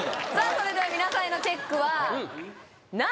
それでは皆さんへのチェックは何？